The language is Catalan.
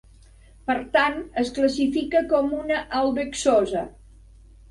Per tant, es classifica com una aldohexosa.